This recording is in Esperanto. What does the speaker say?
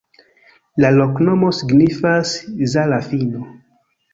La loknomo signifas: Zala-fino.